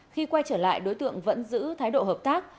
khi quay trở lại đối tượng vẫn giữ thái độ hợp tác